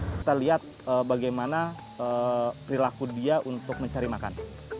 kami sudah melihat bagaimana perilaku dia untuk mencari makan